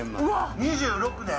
２６年？